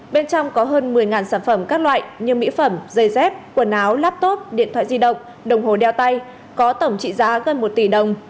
bên trong có hơn một mươi sản phẩm các loại như mỹ phẩm dây dép quần áo laptop điện thoại di động đồng hồ đeo tay có tổng trị giá gần một tỷ đồng